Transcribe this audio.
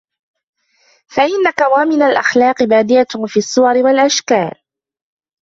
فَإِنَّ كَوَامِنَ الْأَخْلَاقِ بَادِيَةٌ فِي الصُّوَرِ وَالْأَشْكَالِ